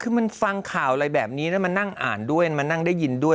คือมันฟังข่าวอะไรแบบนี้แล้วมานั่งอ่านด้วยมานั่งได้ยินด้วย